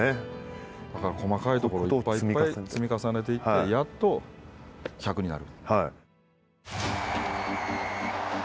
だから細かいところをいっぱい積み重ねていってやっと１００になる。